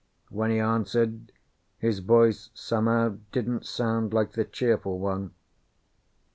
When he answered, his voice, somehow, didn't sound like the cheerful one.